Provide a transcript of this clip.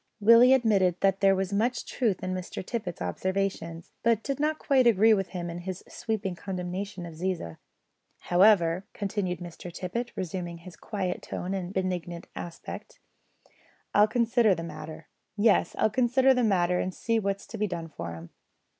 Willie admitted that there was much truth in Mr Tippet's observations, but did not quite agree with him in his sweeping condemnation of Ziza. "However," continued Mr Tippet, resuming his quiet tone and benignant aspect, "I'll consider the matter. Yes, I'll consider the matter and see what's to be done for 'em."